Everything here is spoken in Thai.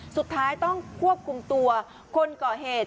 สุดท้ายต้องควบคุมตัวคนก่อเหตุ